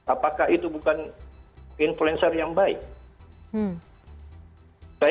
apakah itu bukan influencer yang baik